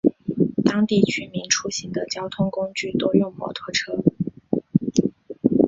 当地居民出行的交通工具多用摩托车。